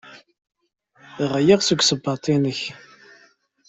Ɛyiɣ seg ssebbat-nnek!